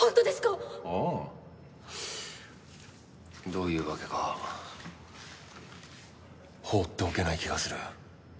どういうわけか放っておけない気がする。